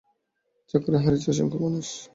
চাকরি হারিয়েছেন অসংখ্য মানুষ।